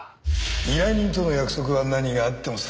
依頼人との約束は何があっても最後まで守る。